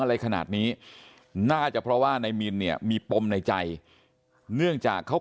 อะไรขนาดนี้น่าจะเพราะว่านายมินเนี่ยมีปมในใจเนื่องจากเขา